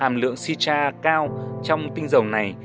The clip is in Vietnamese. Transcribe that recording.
hàm lượng sitra cao trong tinh dầu này